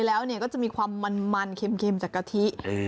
แล้วก็จะมีความมันเค็มจากกะทิ